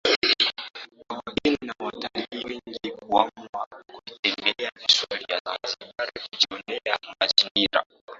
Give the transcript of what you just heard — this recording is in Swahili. kwa wageni na watalii wengi kuamua kuvitembelea Visiwa vya Zanzibar kujionea mazingira